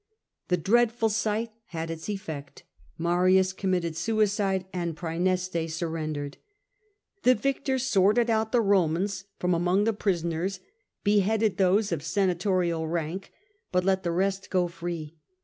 The dreadful sight had its effect: Marius committed suicide and Praeneste surrendered. The victor sorted out the Eomans from among the prisoners, beheaded those of senatorial rank, but let the rest go free.